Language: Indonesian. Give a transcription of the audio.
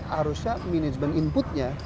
harusnya management input nya